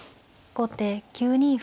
後手９二歩。